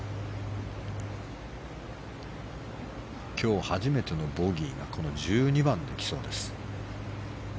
今日、初めてのボギーが１２番で来そうです。